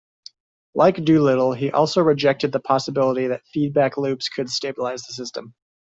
Like Doolittle, he also rejected the possibility that feedback loops could stabilize the system.